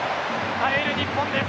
耐える日本です。